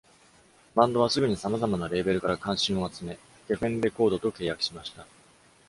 バンドはすぐにさまざまなレーベルから関心を集め、ゲフェンレコードと契約しました。